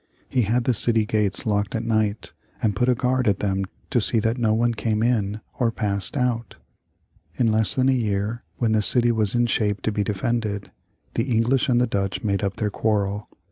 He had the city gates locked at night, and put a guard at them to see that no one came in or passed out. In less than a year, when the city was in shape to be defended, the English and the Dutch made up their quarrel.